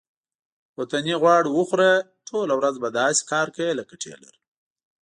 وطني غوړ وخوره ټوله ورځ به داسې کار کوې لکه ټېلر.